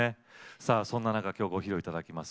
さあそんな中今日ご披露いただきます